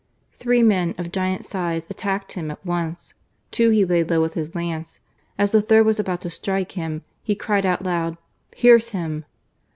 Three men, of giant size, attacked him at once. Two he laid low with his lance; as the third was about to strike him he cried out loud, " Pierce him